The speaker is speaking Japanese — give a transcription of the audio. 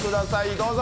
どうぞ。